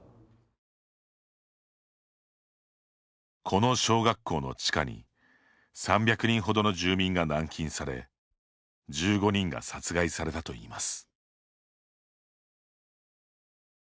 この小学校の地下に３００人ほどの住民が軟禁され１５人が殺害されたといいます。